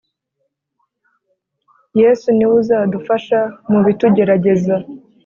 Yesu ni w' uzadufasha mu bitugerageza.